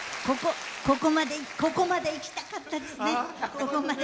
ここまでいきたかったですね。